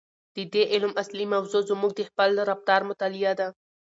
د دې علم اصلي موضوع زموږ د خپل رفتار مطالعه ده.